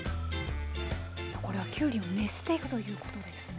これはきゅうりを熱していくということですね。